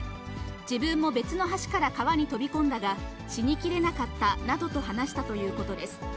自分も別の橋から川に飛び込んだが、死にきれなかったなどと話したということです。